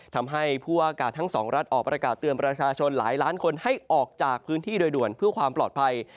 ทำให้ผู้อากาศทั้งสองรัฐออกประกาศเตือนประชาชนหลายล้านคนให้ออกจากพื้นที่โดยด่วนเพื่อความปลอดภัย